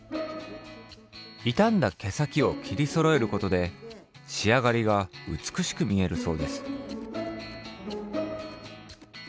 いたんだ毛先を切りそろえることでしあがりがうつくしく見えるそうです。